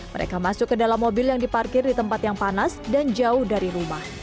mereka masuk ke dalam mobil yang diparkir di tempat yang panas dan jauh dari rumah